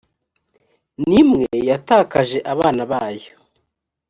n imwe yatakaje abana bayo